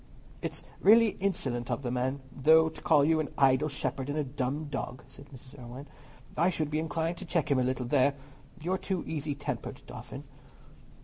"It is really insolent of the man, though, to call you an 'idle shepherd' and a 'dumb dog,'" said Mrs. Irwine. "I should be inclined to check him a little there. You are too easy tempered, Dauphin."